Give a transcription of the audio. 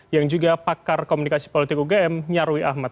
yang juga pakar komunikasi politik ugm nyarwi ahmad